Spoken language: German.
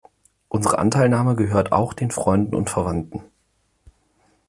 Unsere Anteilnahme gehört auch den Freunden und Verwandten.